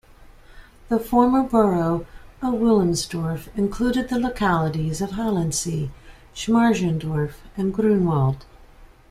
The former borough of Wilmersdorf included the localities of Halensee, Schmargendorf and Grunewald.